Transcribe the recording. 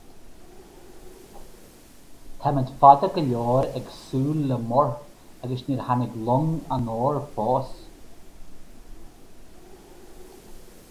Táimid fada go leor ag súil le muir, agus níor tháinig long an óir fós.